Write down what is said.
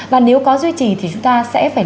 và nếu có duy trì thì chúng ta sẽ phải